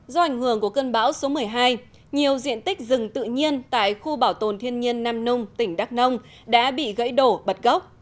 do ảnh hưởng của cơn bão số một mươi hai nhiều diện tích rừng tự nhiên tại khu bảo tồn thiên nhiên nam nung tỉnh đắk nông đã bị gãy đổ bật gốc